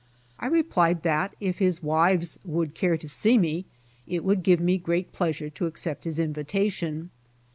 I replied that, if hia wives would care to see me, it would give me great pleasure to accept his invitation.